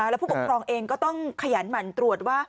แล้วผู้ปกครองเองก็ต้องขยันหมั่นตรวจว่า